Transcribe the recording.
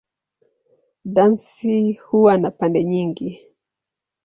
Dansi huwa na pande nyingi.